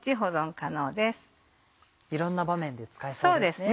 いろんな場面で使えそうですね。